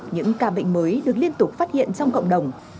những ca bệnh mới được liên tục phát hiện trong cộng đồng